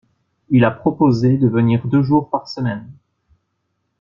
Il a proposé de venir deux jours par semaine.